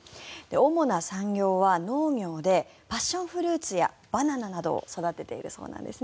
おもな産業は農業でパッションフルーツやバナナなどを育てているそうなんです。